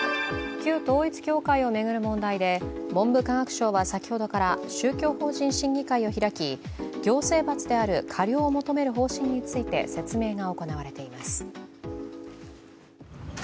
旧統一教会を巡る問題で文部科学省は先ほどから宗教法人審議会を開き行政罰である過料を求める方針について説明が行われています。